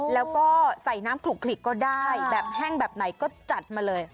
แล้วก็ใส่น้ำขลุกก็ได้แบบแห้งแบบไหนก็จัดมาเลย